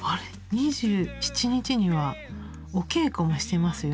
２７日にはお稽古もしてますよ。